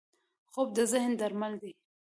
خوب د ذهن درمل دی